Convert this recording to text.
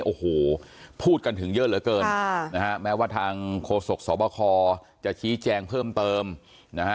โอ้โหพูดกันถึงเยอะเหลือเกินค่ะนะฮะแม้ว่าทางโฆษกสบคจะชี้แจงเพิ่มเติมนะฮะ